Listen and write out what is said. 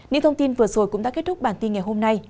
những thông tin vừa rồi cũng đã kết thúc bản tin ngày hôm nay